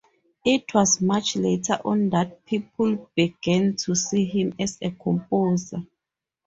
It was much later on that people began to see him as a composer.